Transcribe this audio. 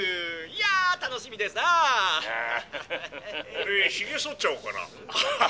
「俺ヒゲそっちゃおうかな」。